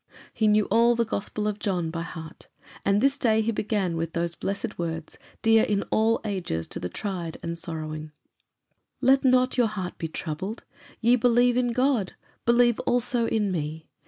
He knew all the Gospel of John by heart. And this day he began with those blessed words, dear in all ages to the tried and sorrowing, "Let not your heart be troubled: ye believe in God, believe also in me.